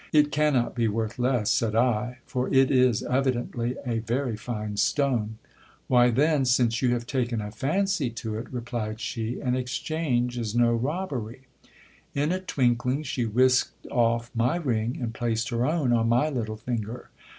It cannot be worth less, said I, for it is evidently a very fine stone. Why, then, since you have taken a fancy to it, replied she, an exchange is no robber)'. In a twinkling she whisked off my ring, and placed her own on my little finger.